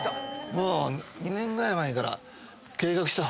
もう２年ぐらい前から。